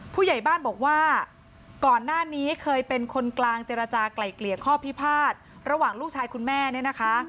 ผู้ใหญ่บ้านบอกว่าก่อนหน้านี้เคยเป็นคนกลางเจรจากลายเกลี่ยข้อพิพาทระหว่างลูกชายคุณแม่เนี่ยนะคะ